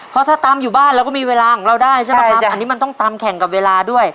เพราะถ้าตำอยู่บ้านเราก็มีเวลาของเราได้ใช่ไหมครับอันนี้มันต้องตำแข่งกับเวลาด้วย